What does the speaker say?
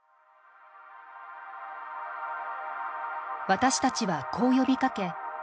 私たちはこう呼びかけ